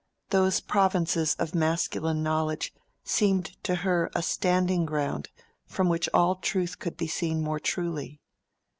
Those provinces of masculine knowledge seemed to her a standing ground from which all truth could be seen more truly.